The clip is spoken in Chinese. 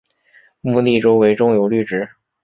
墓地周围种有绿植。